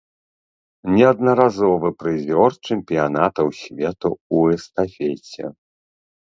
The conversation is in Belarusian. Неаднаразовы прызёр чэмпіянатаў свету ў эстафеце.